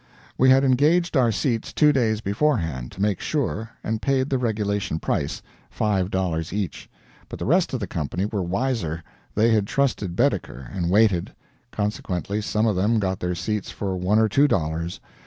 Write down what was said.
We had engaged our seats two days beforehand, to make sure, and paid the regulation price, five dollars each; but the rest of the company were wiser; they had trusted Baedeker, and waited; consequently some of them got their seats for one or two dollars.